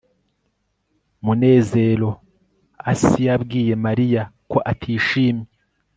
munezeroasi yabwiye mariya ko atishimye